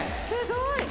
すごい！